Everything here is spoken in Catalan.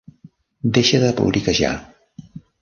Deixa de ploriquejar!